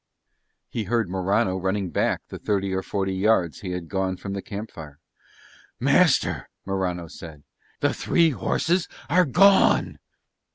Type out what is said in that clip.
He heard Morano running back the thirty or forty yards he had gone from the camp fire "Master," Morano said, "the three horses are gone."